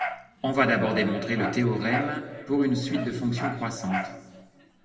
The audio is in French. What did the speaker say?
On va d'abord démontrer le théorème pour une suite de fonctions croissantes.